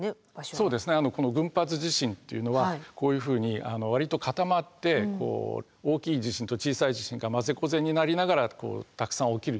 そうですねこの群発地震というのはこういうふうに割と固まって大きい地震と小さい地震がまぜこぜになりながらたくさん起きるということなんですね。